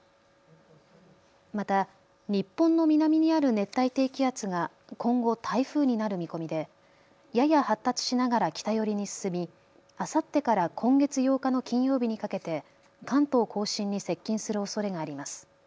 また日本の南にある熱帯低気圧が今後、台風になる見込みでやや発達しながら北寄りに進みあさってから今月８日の金曜日にかけて関東甲信に接近するおそれがあります。